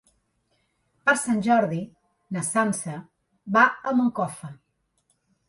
Per Sant Jordi na Sança va a Moncofa.